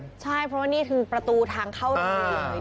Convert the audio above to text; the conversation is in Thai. ใช่เพราะว่านี่ถึงประตูทางเข้าหนึ่งเลย